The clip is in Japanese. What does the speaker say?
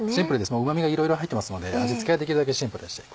うま味がいろいろ入ってますので味付けはできるだけシンプルに。